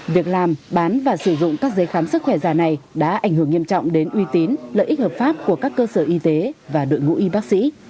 việc làm bán và sử dụng các giấy khám sức khỏe giả này đã ảnh hưởng nghiêm trọng đến uy tín lợi ích hợp pháp của các cơ sở y tế và đội ngũ y bác sĩ